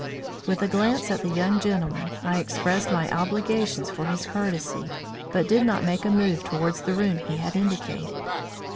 With a glance at the young gentlemen, I expressed my obligations for his courtesy, but did not make a move towards the room he had indicated.